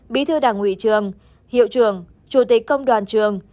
bí thư đảng ủy trường hiệu trưởng chủ tịch công đoàn trường